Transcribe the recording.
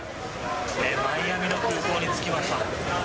マイアミの空港に着きました。